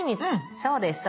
そうです。